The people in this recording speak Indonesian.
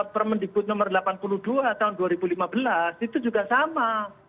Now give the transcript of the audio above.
permendikbud nomor delapan puluh dua tahun dua ribu lima belas itu juga sama